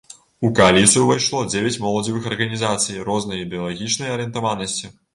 У кааліцыю ўвайшло дзевяць моладзевых арганізацый рознай ідэалагічнай арыентаванасці.